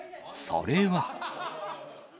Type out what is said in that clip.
それは。